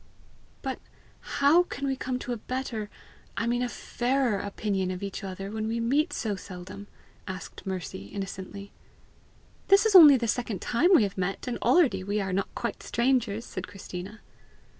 "But how can we come to a better I mean a FAIRER opinion of each other, when we meet so seldom?" asked Mercy innocently. "This is only the second time we have met, and already we are not quite strangers!" said Christina.